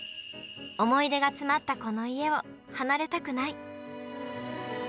思い出が詰まったこの家を離れたくない。